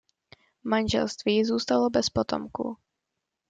Manželství zůstalo bez potomků.